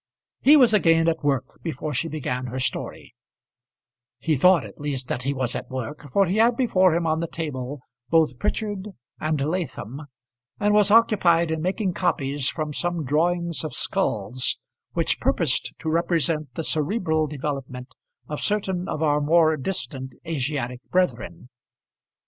He was again at work before she began her story; he thought at least that he was at work, for he had before him on the table both Prichard and Latham, and was occupied in making copies from some drawings of skulls which purposed to represent the cerebral development of certain of our more distant Asiatic brethren.